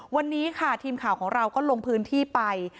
วันนี้ค่ะทีมข่าวของเราก็ลงพื้นที่ไป